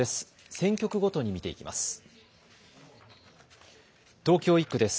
選挙区ごとに見ていきます。